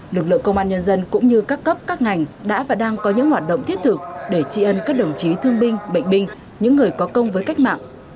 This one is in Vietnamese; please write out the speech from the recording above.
lực lượng công an nhân dân cũng như các cấp các ngành đã và đang có những hoạt động thiết thực để trị ân các đồng chí thương binh bệnh binh những người có công với cách mạng